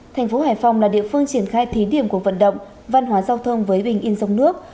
thành phố hải phòng là địa phương triển khai thí điểm cuộc vận động văn hóa giao thông với bình yên sông nước